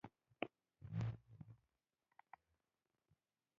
هر وخت دا نه وي چې هر څه وخوړل شي.